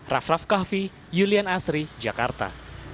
raff raff kahvi julian asri jakarta